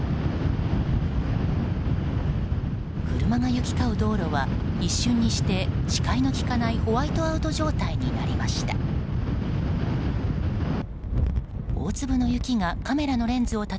車が行き交う道路は一瞬にして視界のきかないホワイトアウト状態になりました。